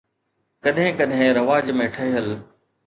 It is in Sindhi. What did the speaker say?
ڪڏهن ڪڏهن رواج ۾ ٺهيل